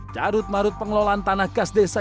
carut marut pengelolaan tanah kas desa